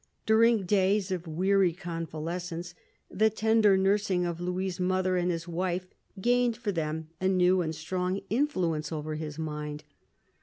During days of weary convalescence, the tender nursing of Louis' mother and his wife gained for them a new and strong influence over his mind.